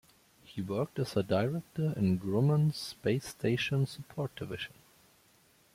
He worked as a Director in Grumman's Space Station Support Division.